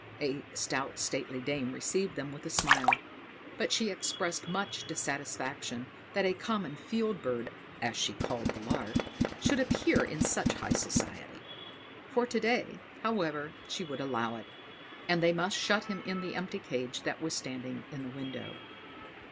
A stout stately dame received them with a smile; but she expressed much dissatisfaction that a common field bird, as she called the lark, should appear in such high society. For to day, however, she would allow it; and they must shut him in the empty cage that was standing in the window.